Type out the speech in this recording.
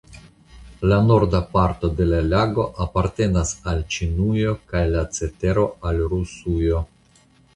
La norda parto de la lago apartenas al Ĉinujo kaj la cetero al Rusujo.